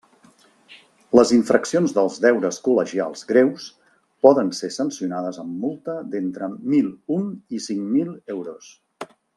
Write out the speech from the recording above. Les infraccions dels deures col·legials greus poden ser sancionades amb multa d'entre mil un i cinc mil euros.